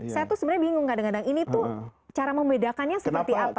saya tuh sebenarnya bingung kadang kadang ini tuh cara membedakannya seperti apa